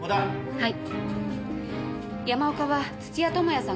はい。